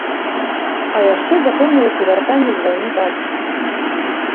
А яшчэ запомнілася вяртанне з вайны бацькі.